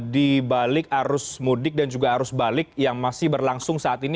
di balik arus mudik dan juga arus balik yang masih berlangsung saat ini